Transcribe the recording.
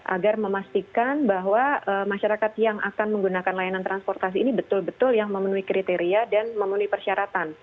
agar memastikan bahwa masyarakat yang akan menggunakan layanan transportasi ini betul betul yang memenuhi kriteria dan memenuhi persyaratan